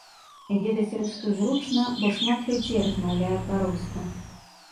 Ведаць рускую зручна, бо шмат людзей размаўляе па-руску.